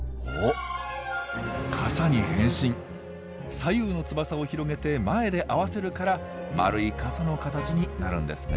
左右の翼を広げて前で合わせるから丸い傘の形になるんですね。